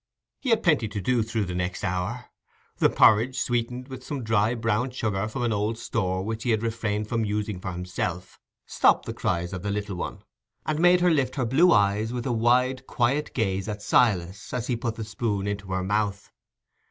He had plenty to do through the next hour. The porridge, sweetened with some dry brown sugar from an old store which he had refrained from using for himself, stopped the cries of the little one, and made her lift her blue eyes with a wide quiet gaze at Silas, as he put the spoon into her mouth.